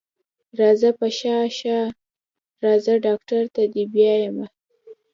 راځه په شا شه راځه ډاکټر ته دې بيايمه.